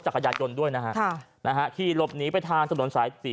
จักรยานยนต์ด้วยนะฮะค่ะนะฮะขี่หลบหนีไปทางถนนสายสี่